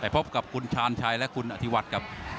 พบกับคุณชานชายและคุณอธิวัตร